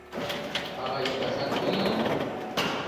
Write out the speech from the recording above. Ала йогашат тӱҥалын?.